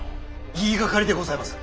言いがかりでございます！